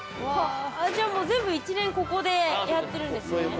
わあじゃあもう全部一連ここでやってるんですね。